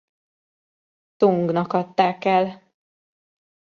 Tungnak adták el.